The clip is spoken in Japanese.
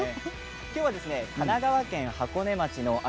今日は神奈川県箱根町の芦